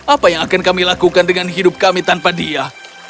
apa yang akan kami lakukan dengan hidup kami tanpa dia